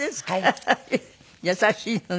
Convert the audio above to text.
優しいのね。